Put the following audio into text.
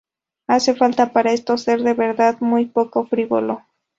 Hace falta para esto ser, de verdad, muy poco frívolo".